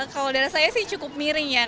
kalau darah saya sih cukup miring ya